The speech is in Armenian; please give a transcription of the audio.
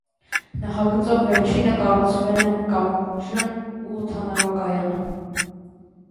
Նախագծով վերջինը կառուցվել են կամուրջն ու օդանավակայանը։